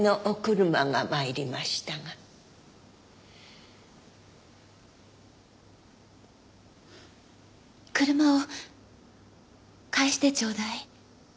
車を帰してちょうだい。